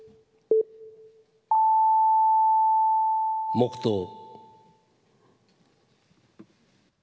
黙とう。